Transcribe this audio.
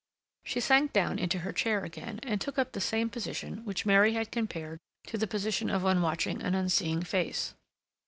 She sank down into her chair again, and took up the same position which Mary had compared to the position of one watching an unseeing face.